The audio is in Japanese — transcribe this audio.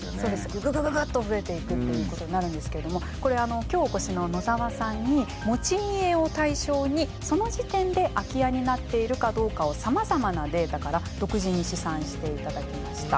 ぐぐぐぐぐっと増えていくということになるんですけれどもこれ今日お越しの野澤さんに持ち家を対象にその時点で空き家になっているかどうかをさまざまなデータから独自に試算していただきました。